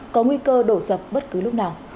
có nguy cơ đổ dập bất cứ lúc nào